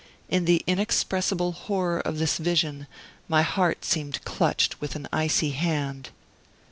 In the inexpressible horror of this vision my heart seemed clutched with an icy hand.